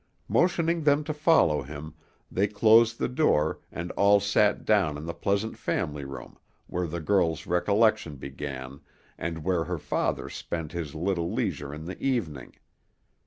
Motioning them to follow him, they closed the door, and all sat down in the pleasant family room where the girl's recollection began, and where her father spent his little leisure in the evening.